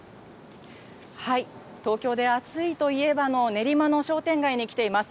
東京で暑いといえばの練馬の商店街に来ています。